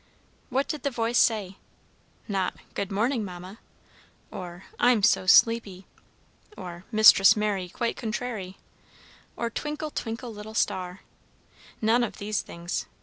What did the voice say? Not "Good morning, Mamma," or "I'm so sleepy!" or "Mistress Mary quite contrary," or "Twinkle, twinkle, little star," none of these things.